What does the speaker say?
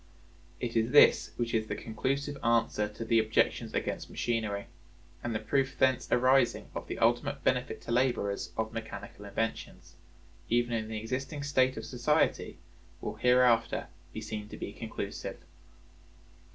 It is this which is the conclusive answer to the objections against machinery; and the proof thence arising of the ultimate benefit to laborers of mechanical inventions, even in the existing state of society, will hereafter be seen to be conclusive.